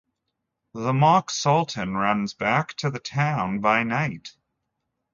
The mock sultan runs back to the town by night.